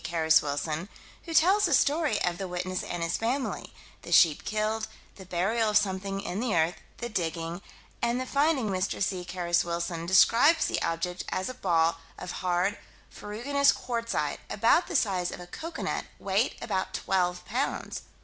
Carus Wilson, who tells the story of the witness and his family the sheep killed, the burial of something in the earth, the digging, and the finding. Mr. C. Carus Wilson describes the object as a ball of hard, ferruginous quartzite, about the size of a cocoanut, weight about twelve pounds.